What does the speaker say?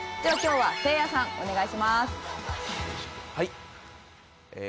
はい。